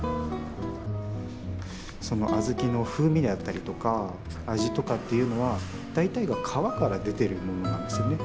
その小豆の風味であったりとか味とかっていうのは大体が皮から出てるものなんですよね。